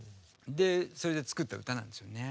それで作った歌なんですよね。